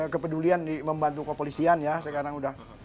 kepedulian membantu kepolisian ya sekarang udah